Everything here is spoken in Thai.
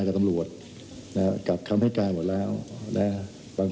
กับตำลวดนะฮะกลับคำให้กาหมดแล้วนะฮะ